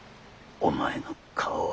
「お前の顔は」。